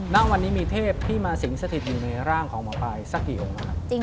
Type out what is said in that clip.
ณวันนี้มีเทพที่มาสิงสถิตอยู่ในร่างของหมอปลายสักกี่องค์นะครับ